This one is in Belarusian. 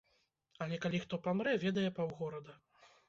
Але калі хто памрэ, ведае паўгорада.